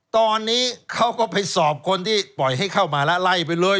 ตอนนี้เขาก็ไปสอบคนที่ปล่อยให้เข้ามาแล้วไล่ไปเลย